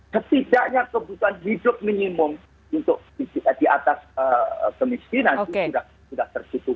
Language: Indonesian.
setidaknya kebutuhan hidup minimum untuk di atas kemiskinan itu sudah tercukupi